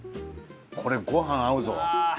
これご飯合うぞ。